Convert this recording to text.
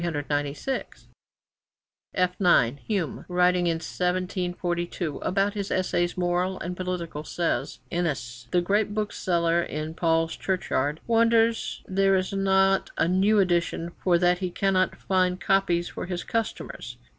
[F 9] Hume, writing in 1742 about his Essays Moral and Political, says: 'Innys, the great bookseller in Paul's Church yard, wonders there is not a new edition, for that he cannot find copies for his customers.'